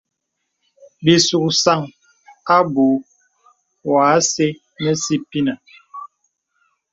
Bì suksan àbùù wɔ asə̀ nə sìpìnə.